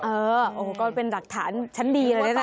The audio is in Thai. เออโอ้โหก็เป็นหลักฐานชั้นดีเลยนะ